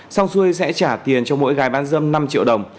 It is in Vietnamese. xong xuôi sẽ trả tiền cho mỗi gái bán dâm năm triệu đồng